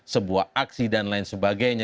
sebuah aksi dan lain sebagainya